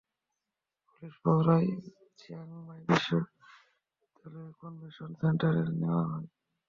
Hotel থেকে আমাদের police প্রহরায় চিয়াংমাই বিশ্ববিদ্যালয়ের কনভেনশন সেন্টারে নেওয়া হয়।